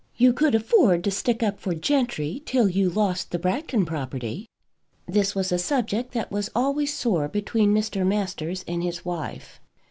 You could afford to stick up for gentry till you lost the Bragton property." This was a subject that was always sore between Mr. Masters and his wife.